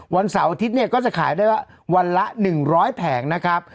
วันเสาร์อาทิตย์เนี่ยก็จะขายได้ว่าวันละ๑๐๐แผงนะครับ